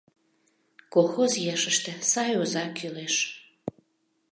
Колхоз ешыште сай оза кӱлеш.